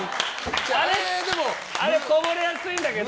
あれ、こぼれやすいんだけど。